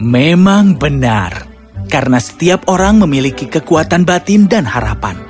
memang benar karena setiap orang memiliki kekuatan batin dan harapan